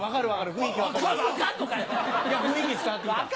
雰囲気伝わって来た。